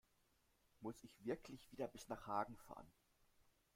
Muss ich wirklich wieder bis nach Hagen fahren?